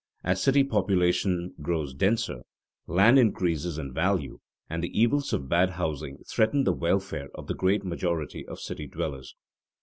_ As city population grows denser, land increases in value, and the evils of bad housing threaten the welfare of the great majority of city dwellers.